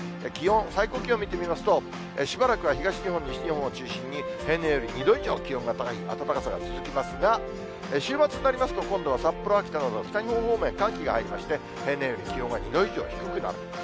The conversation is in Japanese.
気温、最高気温見てみますと、しばらくは東日本、西日本を中心に平年より２度以上気温が高い暖かさが続きますが、週末になりますと、今度は札幌、秋田など北日本方面、寒気が入りまして、平年より気温が２度以上低くなる。